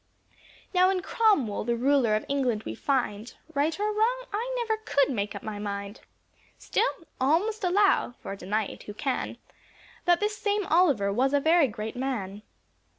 Now in Cromwell the ruler of England we find; Right or wrong, I never could make up my mind; Still all must allow (for deny it who can?) That this same Oliver was a very great man.